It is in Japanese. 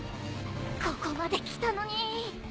ここまで来たのに。